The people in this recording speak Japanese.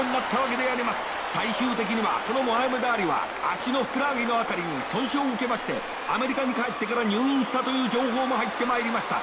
最終的にはこのモハメド・アリは足のふくらはぎの辺りに損傷を受けましてアメリカに帰ってから入院したという情報も入ってまいりました。